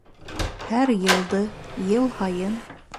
Һәр йылды, йыл һайын